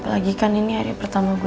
apalagi kan ini hari pertama kita berdua